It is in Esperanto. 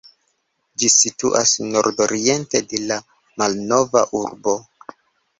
Ĝi situas nordoriente de la Malnova Urbo.